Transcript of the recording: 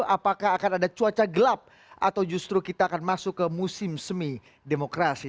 apakah akan ada cuaca gelap atau justru kita akan masuk ke musim semi demokrasi